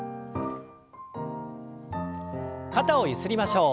肩をゆすりましょう。